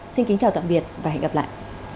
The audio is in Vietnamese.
xin kính chào tạm biệt và hẹn gặp lại